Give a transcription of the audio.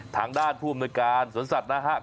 ทางด้านผู้อำนวยการสวนสัตว์นะครับ